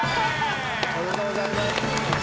おめでとうございます。